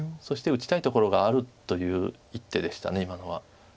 そして打ちたいところがあるという一手でした今のは。